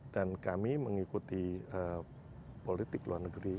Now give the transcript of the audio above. dan kami mengikuti politik luar negeri